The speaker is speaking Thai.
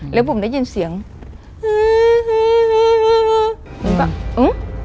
แล้วผมได้ยินเสียงอื้ออื้ออื้ออื้ออื้อ